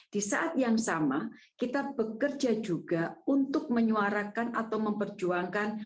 di saat yang sama kita bekerja juga untuk menyuarakan atau memperjuangkan